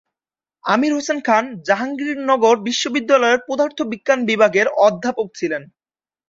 আমির হোসেন খান জাহাঙ্গীরনগর বিশ্ববিদ্যালয়ের পদার্থবিজ্ঞান বিভাগের অধ্যাপক ছিলেন।